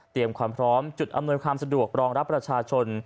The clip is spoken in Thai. ความพร้อมจุดอำนวยความสะดวกรองรับประชาชน